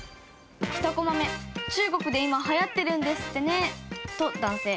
１コマ目「中国でいまはやってるんですってねー」と男性。